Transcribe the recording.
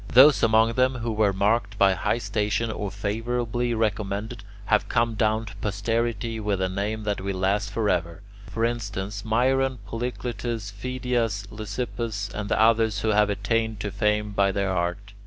Those among them who were marked by high station or favourably recommended have come down to posterity with a name that will last forever; for instance, Myron, Polycletus, Phidias, Lysippus, and the others who have attained to fame by their art.